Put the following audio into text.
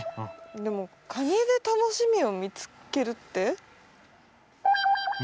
でもカニでたのしみをみつけるって？